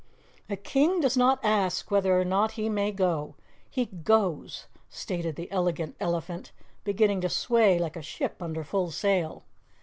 "A King does not ask whether or not he may go, he GOES," stated the Elegant Elephant, beginning to sway like a ship under full sail.